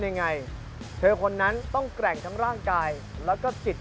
ยังไงเธอคนนั้นต้องแกร่งทั้งร่างกายแล้วก็จิต